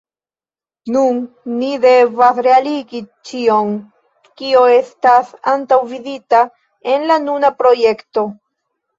Nun ni devas realigi ĉion kio estas antaŭvidita en la nuna projekto.